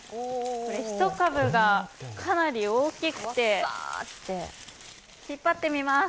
１株がかなり大きくて、引っ張ってみます。